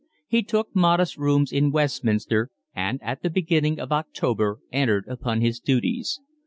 He took modest rooms in Westminster and at the beginning of October entered upon his duties.